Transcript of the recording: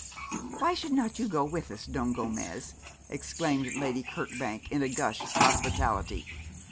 'Why should not you go with us, Don Gomez?' exclaimed Lady Kirkbank, in a gush of hospitality.